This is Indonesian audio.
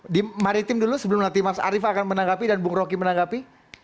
di maritim dulu sebelum nanti mas arief akan menanggapi dan bung rocky menanggapi